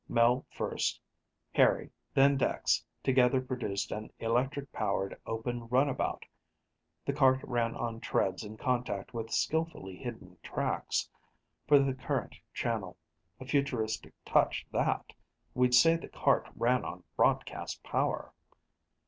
Mel first, Harry, then Dex, together produced an electric powered, open runabout. The cart ran on treads in contact with skillfully hidden tracks, for the current channel. A futuristic touch, that we'd say the cart ran on broadcast power.